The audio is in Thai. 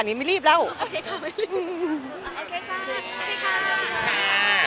เนื้อหาดีกว่าน่ะเนื้อหาดีกว่าน่ะ